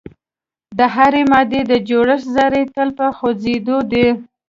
د هرې مادې د جوړښت ذرې تل په خوځیدو دي.